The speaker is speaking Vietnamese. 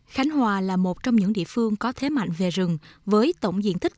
khánh hòa là một trong những địa phương có thế mạnh về rừng với tổng diện tích